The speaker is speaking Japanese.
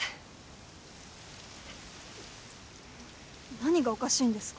何がおかしいんですか？